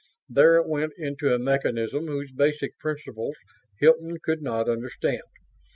There it went into a mechanism whose basic principles Hilton could not understand.